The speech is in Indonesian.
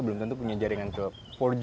belum tentu punya jaringan empat g